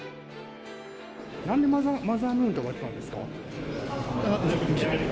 なんでマザームーンと言ったんですか。